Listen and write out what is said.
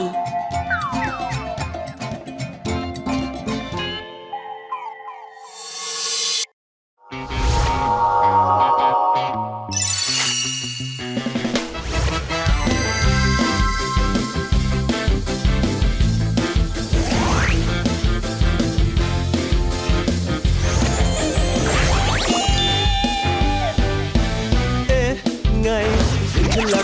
สวัสดีครับ